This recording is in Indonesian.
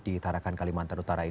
di tarakan kalimantan utara